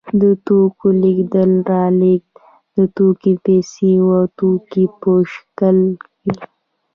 د توکو لېږد رالېږد د توکي پیسې او توکي په شکل وي